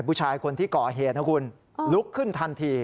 ผู้ชายคนที่ก่อเหตุนะคุณลุกขึ้นทันที